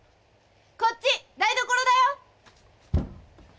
こっち台所だよ。